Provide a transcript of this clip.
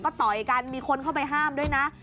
ก็ต่อยกันมีคนเข้าไปห้ามด้วยนะ